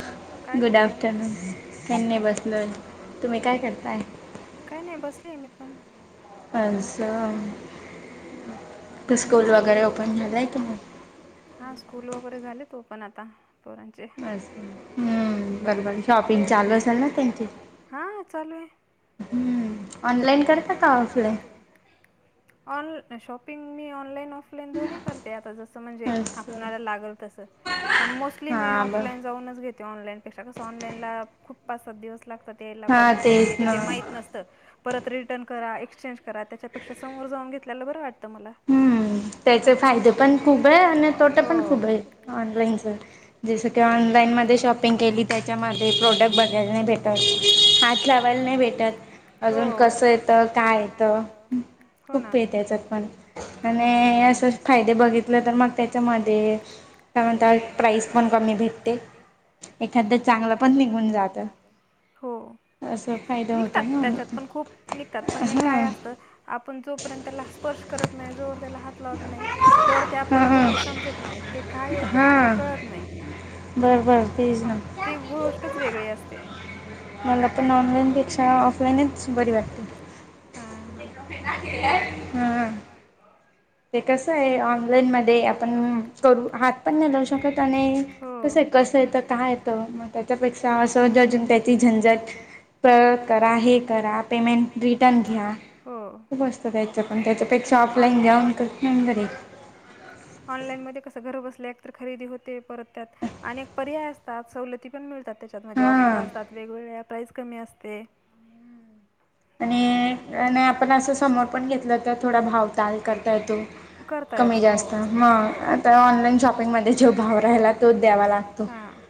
ह काय करताय गुड अफ्टरनुन कायनि बसलोय तुम्ही काय करताय काय नाही बसलीय मी पण असं स्कूल वगैरे ओपन झालंय की नाही. हा स्कूल वगैरे झालेत ओपण आता पोरांचे अस ह्म्म बरं बरं शॉपिंग चालू असलना त्यांची हा चालू आहे ऑनलाईन करता का ऑफलाइन ऑन शॉपिं मी ऑनलाईन ऑफल ऑफलाईन दोन्ही करते आता जसं म्हणजे ऑफलाइन दोन्ही करते आता जस म्हणजे आपणाला लागल तसं पण मोस्टली मी ऑफलाईन जाऊनच घेते ऑनलाईन पेक्षा कसं ऑनलाईनला खूप पाच सात दिवस लागतात ला क्वालिटी कशी येते ते माहित नसत परत रिटर्न करा एक्सचेंज करा त्याच्यापेक्षा समोर जाऊन घेतल्याल बरं वाटतं मला ह् हा त्याचे फायदे पण खूपए हो आणि तोटा पण खुपय ऑनलाईनचा जस की ऑनलाईन मध्ये शॉपिंग केली त्याच्यामध्ये प्रोडक्ट बघायला नाही भेटत हात लावायला नाही भेटत हो कस येत काय येत हो ना खूपय त्याच्यात पण आणि असच फायदे बघितले तर मग त्याच्यामध्ये काय म्हणता प्राईस पण कमी भेटती एखाद चांगलं पण निघून जात हो निघतात त्याच्यात पण खूप निघतात पण हे काय असत आपण जोपर्यंतला स्पर्श करत नाय जोवर त्याला हात लावत नाही तोवर ते आपल्याला गोष्टी समजत नाही ते काय आहे ते आपल्याला कळत नाही ती गोष्टच वेगळी असते मला पण ऑनलाईनपेक्षा ऑफलाईनच बरी वाटते हम्म ते कस आहे ऑनलाईन मध्ये आपण करू हात पण नाही लावू शकत पस आहे कस आहे काय त्याच्यापेक्षा असजून त्याची झंझट करा हे करा पेमेंट रिटर्न घ्या खूपत ऑ ऑनलाईन मध्ये कस घर ब खरेदी होते परतत अनेक पर्याय असतात सवलती पण मिळतात त्याच्यात माझे ऑफर असतात वेगवेगळ्या प्राईज कमी असते आणि नाही आपण असं समोर पण घेतलं तर थोडा भाव ताल करत ता येत करता येतो हो आता ऑनलाईन शॉपिंग मध्ये जेो भाव राहिला तोच द्यावा लाग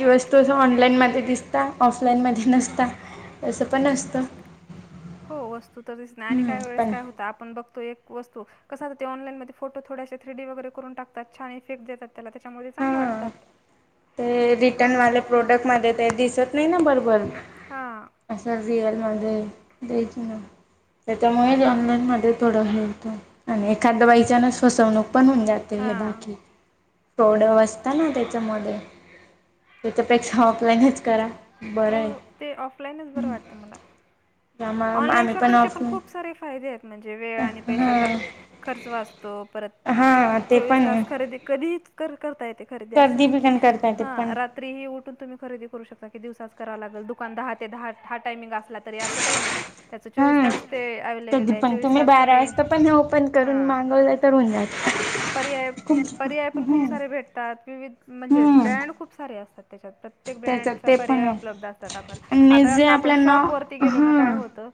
बाकी वस्तू ऑनलाईन मध्ये दिसता ऑफलाईन मध्ये नसता अस पण असत हो तर दिस नाही आणि काय वेळेस काय होता आपण बघतो एक वस्त कसा ते ऑनलान म फोटो थडश थ्रीडी वगरे करून टकात छान इफेक्ट देतात त्याला त्याच्यामध्ये चांगलं वाटतं आप म दिसत नाही ना बरोबर त्याच्यामुळेच ऑनलाईन मध्ये थोडं हेतो आणि एखाद्या बाईच्यानच फसवणूक पण होऊन जाते हे बाकी त्याच्या ऑ ते ऑफलाईन वात मला ऑनलाईन शॉपिंग चे पण खूप सारे फायदे आहेत. म्हणजे वेळ आणि पैशाचा खर्च वाचतो परत चोवीस तास खरेदी कधीही कर खरदी अस हा रात्री उठून तुम्ही खरेदी करू शकता की दिवसा करा लागेल दुकान दहा ते दहा हा टायमिंग असला तरी अस काही नाही त्याचं चोवीस तास ते अवेलेबल आहे चोवीस तास तुम्ही पर्याय पर्याय पण खूप सारे भेटतात विविध म्हणजे ब्रँड खूप सारे असतात त्याच्यात प्रत्येक ब्रँडचा पर्याय उपलब्ध असतात आपल्याला आता असं आपण शॉप वरती गेलो ना काय होतं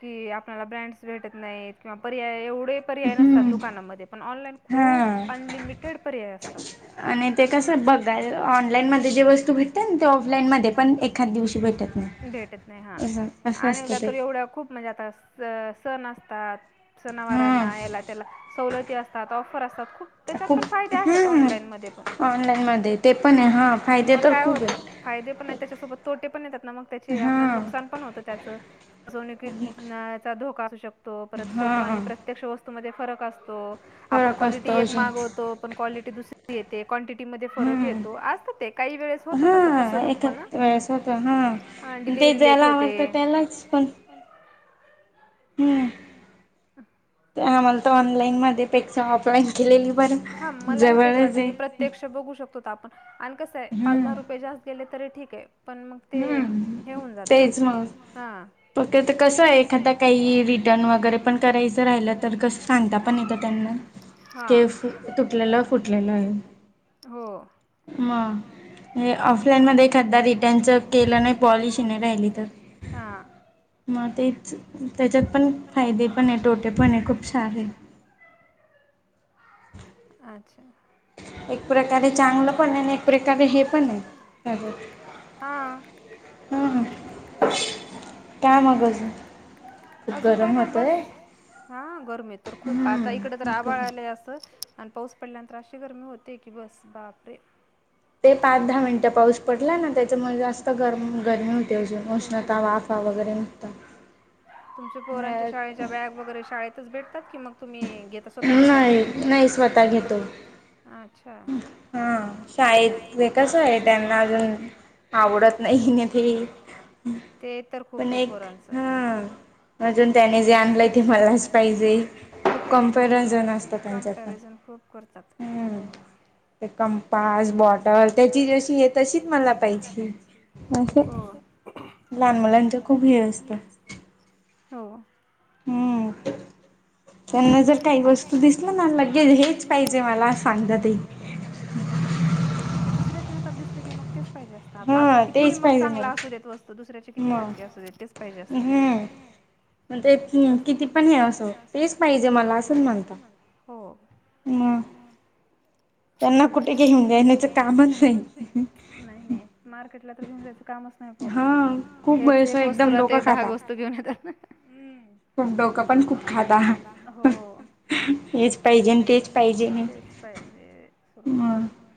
की आपल्याला ब्रँड्स भेटत नाहीत किंवा पर्याय एवढ पर्याय नसतात दुकाना मध्ये पण ऑनलाइन खुप अनलिमिटेड पर्याय असतात आणि त्याच्यासोबत ऑनलाइन मध्ये जे वस्तू भेटते ना ती ऑफलाइन मध्ये एखाद दिवशी पण भेटत नाही आणि म्हणजे आता सण असतात सणावरांना याला त्याला सवलती असतात ऑफर असतात. त्याच्यात पण फायदे आहेत ऑनलाईन मध्ये पण ऑनलाइन पण काय होत फायदे पण त्याच्यासोबत तोटे पण येतात ना मग त्याचे आप नुकसान पण होत त्याच त्याचा धोका असू शकतो. तो परत फोटो आणि प्रत्यक्ष वस्तू मधे फरक अस त आपण क्वालिटी एक मागवतो, पण क्वालिटी दुसरी येते. क्वांटिटीमधे फरक येतो, असत ते काही वेळेस होत फसवणूक पन, डिलवरी लेट होते. हूं! [unintelligible] हा मला हे तेच वाटत की प्रत्यक्ष बघू शकतो आपण. [inaudible] कस आहे पाच दहा रुपये जास्त गेले तरी ठीक. [unintelligible] पण मग ते हे हून जात. तेच, मग हा ते काय एखादा काही रिटर्न वगैरे पण करायचं. राहिलं तर कसं सांगता पण येतं त्यांना. हा. ते असं तुटलेलं, फुटलेल. हो. मग ऑफलाईन मध्ये एखाद रिटर्न केलं नाही. पॉलिशिंग नाही राहिली, तर मग तेच त्याच्यात पण फायदे पणये तोटे तोटेपण ये खूप सारे आ अच्छा! एक प्रकारे चांगलं पण ये आणि एक प्रकारे हे. पण हा. काय मग अजून? काय नाही बस. हा. गरमी तर खूप आता इकडे तर आबाळ आलेय असं. आणि पाऊस पडल्यानंतर अशी गरमी होते की बस बापरे! ते पाच दहा मिनिटं पाऊस पडला ना, त्याच्या मग जास्त गरम गरमी होते. खूपच होते. उष्णता, वाफा वगैरे निघतात. शाळेतच भेट की मग तुम्ही घेत स्वतः घेता? नाही. नाही. स्वतः घेतो आ अच्छा! हा. शाळेत ते कस आहे त्यांना अजून आवडत नाही न ते. पण, एक ह अजून त्यानी जे आणलय ते ते मलाच पाहिजे. कम्पॅरिझन असत, कम्पॅरिझन खूप करतात. हो. कंपास, बॉटल त्याची जशी ये तशीच मला पाहिजे. हो. लहान मुलांच खूप हे असत. हो. हम्म. त्यांना जर काही वस्तू दिसल ना, लगेच हेच पाहिजे मला सांगता ते. ते दुसऱ्याच्या हातात दिसल की मग तेच पाहिजे असत. आपलं किती मग चांग असू देत वस्तू, दुसऱ्याचे किती हलके असू देत. तेच पाहिजे असत. किती पण हे असो. तेच पाहिजे मला अस म्हणता. त्यांना कुठे घेऊन जाण्याच कामच नाही. नाही, नाही. मार्केटला तर घेऊन जायचं कामच नाही पोरांना. हा. घ्यायच एक वस्तू राहते. दहा वस्तू घेऊन येता. खूप डोकं पण खूप खाताता हेच पाहिजे तेच पाहिजे सुरू असत हम्म.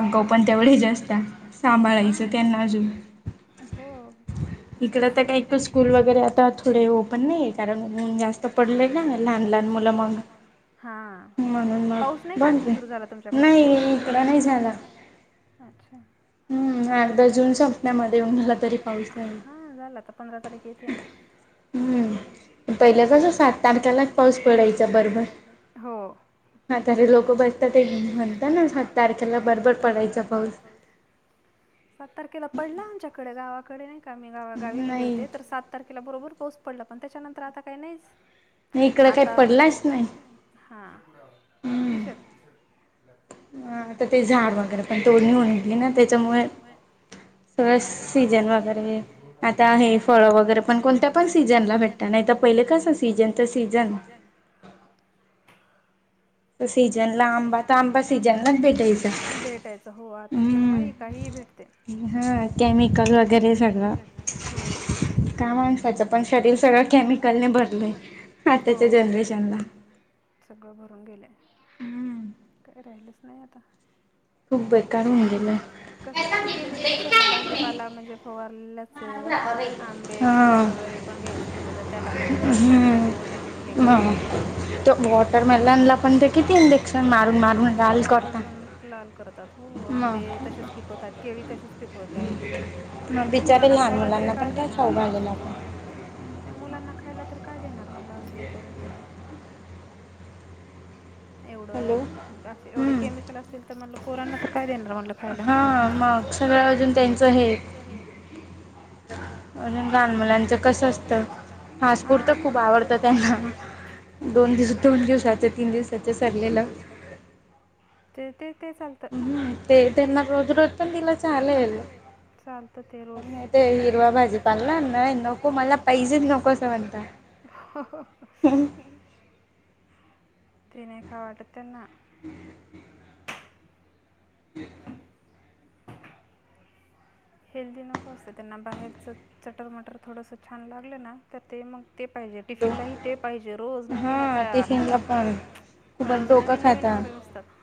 अगवु पण तेवढेच असतात सांभाळायचं त्यांना अजून इकडे तर काही स्कूल वगैरे अजून ओपन नाहीये कारण उन्ह जास्त पडलय ना लहान लहान मुलं मग हा पाऊस नाही का आनखी सुरू झाला तुमच्याकडे नाही [inaudible] नाही झाला अच्छा आता जून संपला मध्ये झाला तर पंधरा तारीख येते ना पहिले कस सात तारखेलाच पाऊस पडायचा बरोबर हो आता लोक बसतात ते [inaudible] तारखेला बबर पडायच पाऊस सात तारखेला पडला आमच्याकडे गावा कडे मी गावा गावी गेले होते तर सात तारखे तारखेला बरोबर पाऊस पडला पण त्याच्यानंतर आता काही नाहीच. आता पडलाच नाही हा टी शर्ट. [unintelligible] ते झाड वगैरे त्याच्यामुळेद्या सीजन वगैरे आता हे फळ वगैरे पण कोणत्या पण सीजनला भेटत नाही तर पहिले कस सीजन तर सीजन सीझन ला आंबा तर आंबा सीनला भेट हो भेटायच आता केव्हा काही भेटते केमिकल वगेरे सगळ हो का माणसाच पण शरिर सगळ केमिकल भरले सगळ भरून गेले हम्म. काय राहिलच नाही आता. खूप बेकार झालेल आहे कशात पण केमिकलच आहे ना भाजीपाला म्हणजे फवारणी उ. आंबे फ्रूटस वगैरे पण घ्यायचे म्हट तर. त्याला पण इंजेक्शन वरे देऊन हे करताय. मारून ला करतात आंबे तच पिकवतात केळी तच पिकवतात पोरांना खायला तरी काय देणार आपण म्हणजे मुलाना. खायला तर काय देणार मला असं करून करून. एवढे केमिकल असेल तर मला. पोरांना तर काय देणार मला खायला मारून सगळं अजून त्यांच हे. ह लहान मुलांच कस असतं फस्कूर तर खूप आवडत त्यांना खूप दोन दिवस दोन दिवसाचे तीन दिवसाचे सडलेलं. ते ते चालतं. त्यांना रोज रोज पण तला चालेल चालत ते रोज ते हिरवा. नको मला पाहिजेच नको असं म्हणत [inaudible] तिने खा वाटत त्यांना. हम् [inaudible] ह [inaudible] हेल्दी नको असते त्यांना बाहेरच चटकमटर थोडं छान लागले ना तर ते मग. ते पाहिजे टिफिन नाही ते पाहिजे रोज नवीन आता रोज नवीन नवीन ऑर्डर असतात.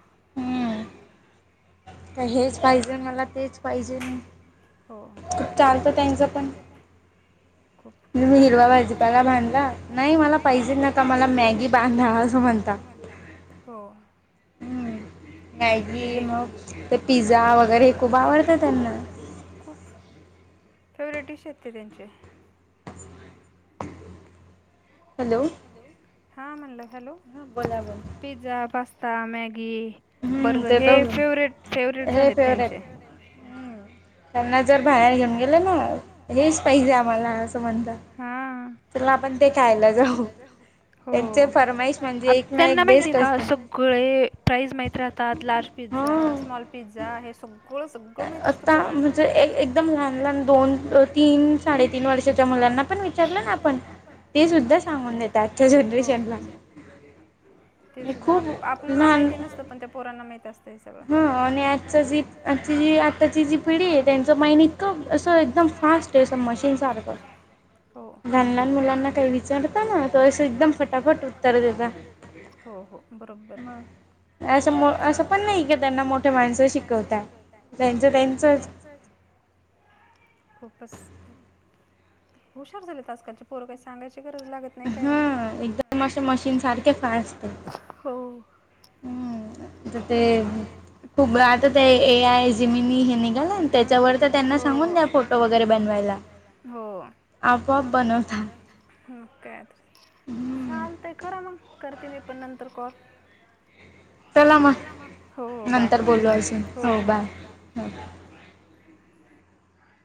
हेच पाहिजे मला तेच पाहिजे चालत त्याचं पण खूप मी हिरवा भाजीपाला बांधला नाही मला पाहिजे ना का मला मॅगी बांधा आसं म्हणतात हम्, मॅगी मग ते पित ते पिझ्झा वगैरे हे खूप आवडतं त्यांना खूप फेवरेट डिश हे ते त्यांची हॅलो हा म्हणलं hello pizza, pasta Maggi burger, हे फेवरेट फेवरेट झालेत त्यांचे हा, हो, त्यांना माहिती हे आस सगळे प्राईज माहीत रहित लार्ज पिझ्झा, स्मॉल पिझ्झा हे सग ळं सगळं माहीत असतं पोरांना हो, ते सुद्धा आप आपनाला माहिती नसतं पण त्या पोरांना माहीती असत. हा आणि आचजी आचीजी आत्ताची जी पिढी [unintelligible] हो, हो, हो बरोबर की त्यांना मोठ्या माणस शिकवता त्यांच त्यांचच खूपच हुशार झाले आजकालचे पोर काय सांगायची [unintelligible] त्याच्यावर तर त्यांना सांगून द्या फोटो वगैरे बनवायला आपोआप बनवता [unintelligible] चालतय खर मांग करते मी पण नंतर कॉल. हो बाय हो हो